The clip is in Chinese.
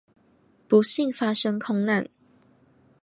不幸发生空难。